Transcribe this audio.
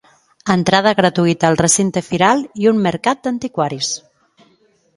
Entrada gratuïta al recinte firal i un mercat d'antiquaris.